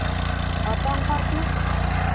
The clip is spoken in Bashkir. Атаң ҡартмы...